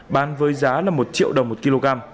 bán với giá là một triệu đồng một kg